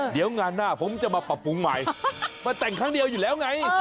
เดี๋ยวงานหน้าผมจะมาปรับปรุงใหม่มาแต่งครั้งเดียวอยู่แล้วไง